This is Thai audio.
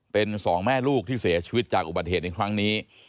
เป็นสองแม่ลูกที่เสียชีวิตจากอุบัติเหตุในครั้งนี้